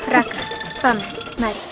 raka tuhan narik